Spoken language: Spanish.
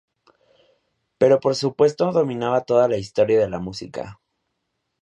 Pero por supuesto dominaba toda la historia de la música.